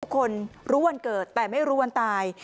คนรู้วันเกิดแต่ไม่รู้วันตาย